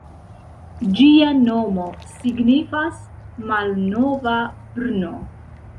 Ĝia nomo signifas "malnova Brno".